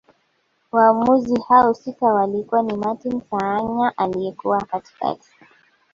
Waamuzi hao sita walikuwa ni Martin Saanya aliyekuwa katikati